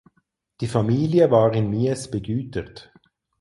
Die Familie war in Mies begütert.